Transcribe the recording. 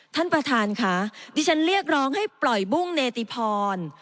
ท่านประธานค่ะดิฉันเรียกร้องให้ปล่อยบุ้งเนติพร